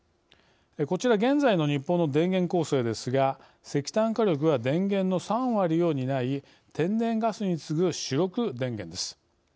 こちら、現在の日本の電源構成ですが石炭火力は電源の３割を担い天然ガスに次ぐ主力電源です。